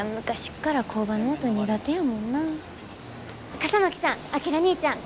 笠巻さん章にいちゃん。